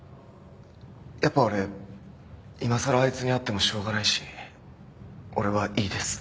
やっぱ俺今さらあいつに会ってもしょうがないし俺はいいです。